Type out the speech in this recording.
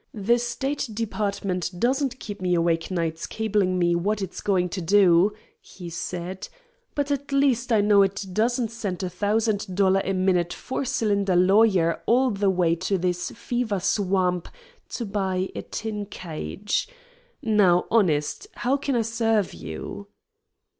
"The State Department doesn't keep me awake nights cabling me what it's going to do," he said, "but at least I know it doesn't send a thousand dollar a minute, four cylinder lawyer all the way to this fever swamp to buy a tin cage. Now, honest, how can I serve you?"